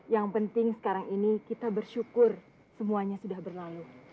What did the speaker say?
yang penting sekarang ini kita bersyukur semuanya sudah berlalu